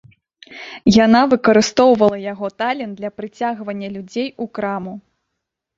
Яна выкарыстоўвала яго талент для прыцягвання людзей у краму.